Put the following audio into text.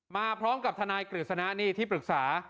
มาพร้อมกับทนายกฤษณะนี่ที่ปรึกษา